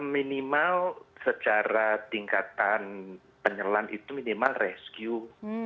minimal secara tingkatan penyelan itu minimal rescue